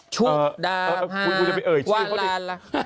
ชุดาฮาวาลาลา